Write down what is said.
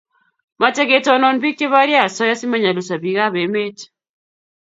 mache ketonon piik che porie asoya si manyalilso piik ab emet